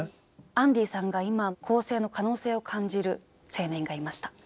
アンディさんが今更生の可能性を感じる青年がいました。